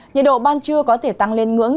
nhiệt độ ban trưa có thể tăng lên ngưỡng